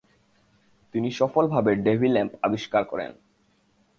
তিনি সফল ভাবে ডেভি ল্যাম্প আবিষ্কার করেন।